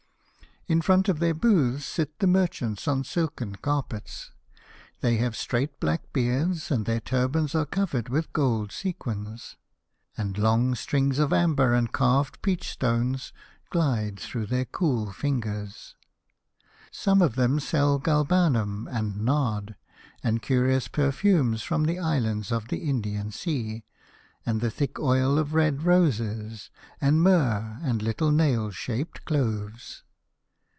In front of their booths sit the merchants on silken carpets. They have straight black beards, and their turbans are covered with golden sequins, and long strings of amber and carved peach stones 98 The Fisherman and his Soul. glide through their cool fingers. Some of them sell galbanum and nard, and curious per fumes from the islands of the Indian Sea, and the thick oil of red roses, and myrrh and little nail shaped cloves.